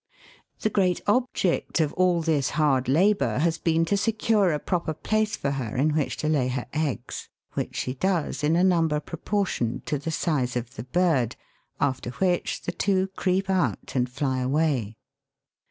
The great object of all this hard labour has been to secure a proper place for her in which to lay her eggs, which she does in a number proportioned to the size of the bird, after which the two creep out and fly away.